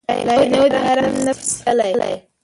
لا یې نه وو د آرام نفس ایستلی